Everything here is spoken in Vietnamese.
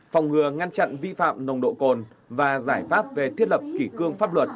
phòng ngừa ngăn chặn vi phạm nồng độ cồn và giải pháp về thiết lập kỷ cương pháp luật